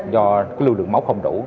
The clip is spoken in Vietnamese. do lưu lượng máu không đủ